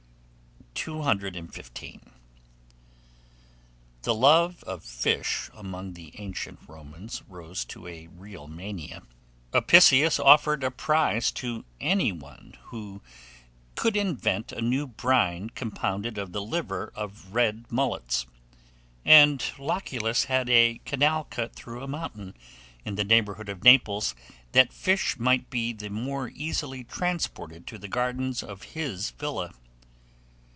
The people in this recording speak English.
215. THE LOVE OF FISH among the ancient Romans rose to a real mania. Apicius offered a prize to any one who could invent a new brine compounded of the liver of red mullets; and Lucullus had a canal cut through a mountain, in the neighbourhood of Naples, that fish might be the more easily transported to the gardens of his villa.